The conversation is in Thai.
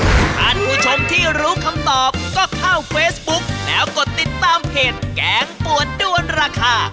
ท่านผู้ชมที่รู้คำตอบก็เข้าเฟซบุ๊กแล้วกดติดตามเพจแกงปวดด้วนราคา